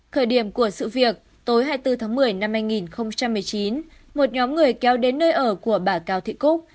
thời điểm của sự việc tối hai mươi bốn tháng một mươi năm hai nghìn một mươi chín một nhóm người kéo đến nơi ở của bà cao thị cúc